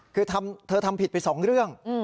คือเธอทำผิดไปสองเรื่อง